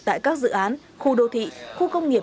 tại các dự án khu đô thị khu công nghiệp